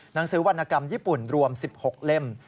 หนังสือวรรณกรรมญี่ปุ่นรวม๑๖เล่ม